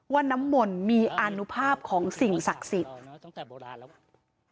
ว่านำมรมีอนุภาพของสิ่งศักดิ์ศิษย์ต้องแต่โบราณแล้วกว่า